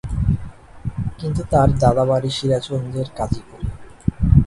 কিন্তু তার দাদা বাড়ী সিরাজগঞ্জের কাজিপুরে।